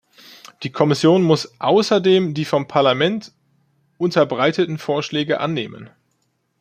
Die Kommission muss außerdem die vom Parlament unterbreiteten Vorschläge annehmen.